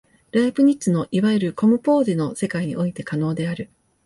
ライプニッツのいわゆるコムポーゼの世界において可能である。